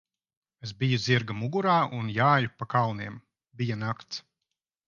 Es biju zirga mugurā un jāju pa kalniem. Bija nakts.